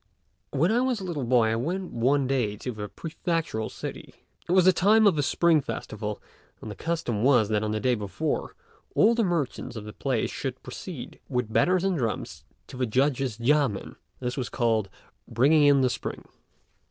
When I was a little boy I went one day to the prefectural city. It was the time of the Spring festival, and the custom was that on the day before, all the merchants of the place should proceed with banners and drums to the judge's yamên: this was called "bringing in the Spring."